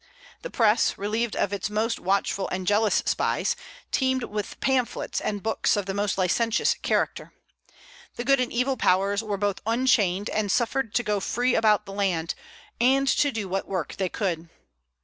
The press, relieved of its most watchful and jealous spies, teemed with pamphlets and books of the most licentious character. The good and evil powers were both unchained and suffered to go free about the land, and to do what work they could.